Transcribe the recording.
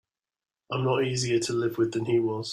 I'm not easier to live with than he was.